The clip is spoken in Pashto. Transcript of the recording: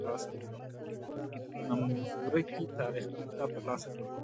د نوم ورکي تاریخپوه کتاب تر لاسه کړم.